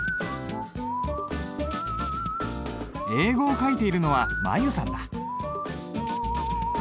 英語を書いているのは舞悠さんだ。